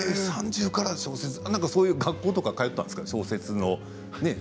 そういう学校とか通ったんですか？